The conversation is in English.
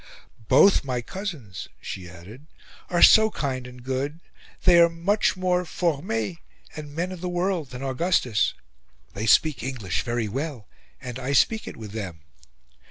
"Both my cousins," she added, "are so kind and good; they are much more formes and men of the world than Augustus; they speak English very well, and I speak it with them.